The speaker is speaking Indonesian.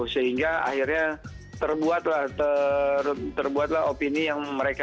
sehingga akhirnya terbuatlah opini yang mereka